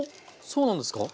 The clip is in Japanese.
そうなんですか。